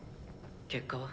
結果は？